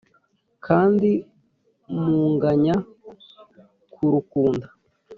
kandi munganya kurukunda.